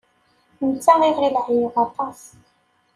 Netta iɣil ɛyiɣ aṭas.